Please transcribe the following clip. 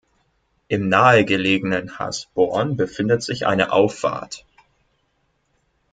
Im nahegelegenen Hasborn befindet sich eine Auffahrt.